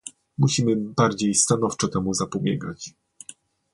Musimy bardziej stanowczo temu zapobiegać